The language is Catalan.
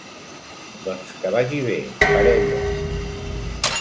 Doncs que vagi bé, parella!